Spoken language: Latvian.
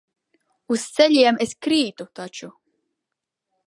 Uz ceļiem es krītu taču.